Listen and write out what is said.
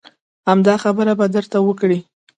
همدا خبره به درته وکړي.